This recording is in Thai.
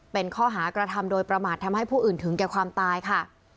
เป็นข้อหากระทำโดยประมาททำให้ผู้อื่นถึงแก่ความตายค่ะ